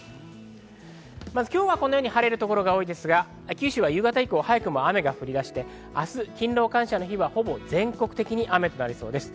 今日はこのように晴れる所が多いですが、九州は夕方以降、早くも雨が降り出して、明日の勤労感謝の日はほぼ全国的に雨となりそうです。